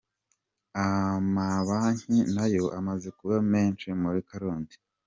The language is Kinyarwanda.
Amabanki nayo amaze kuba menshi muri Karongi.